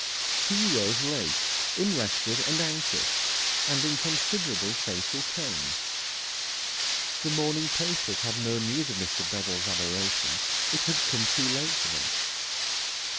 He rose late, unrested and anxious, and in considerable facial pain. The morning papers had no news of Mr. Bessel's aberration it had come too late for them.